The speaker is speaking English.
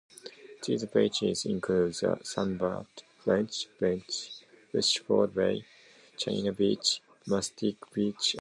These beaches include Sandcut, French beach, Fishboat bay, China beach, Mystic beach and more.